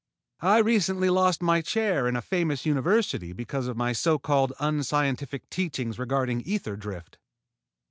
"I recently lost my chair in a famous university because of my so called unscientific teachings regarding ether drift."